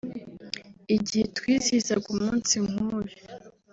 “Igihe twizihizaga umunsi nk’uyu